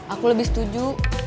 aku lebih setuju